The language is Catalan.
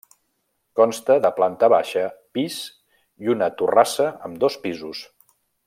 Consta de planta baixa, pis i una torrassa amb dos pisos.